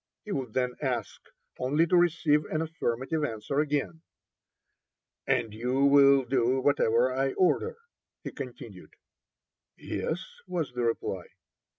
he would then ask, only to receive and affirmative answer again. "And you will do whatever I order?" he continued. "Yes," was the reply.